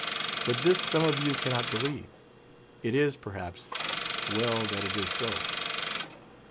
But this some of you cannot believe. It is, perhaps, well that it is so.